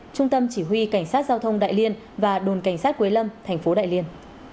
trung tâm chỉ huy cảnh sát giao thông đại liên và đồn cảnh sát quế lâm tp đại liên